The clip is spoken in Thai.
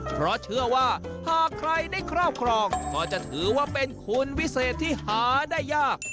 เพราะเชื่อว่าหากใครได้ครอบครองก็จะถือว่าเป็นคุณวิเศษที่หาได้ยาก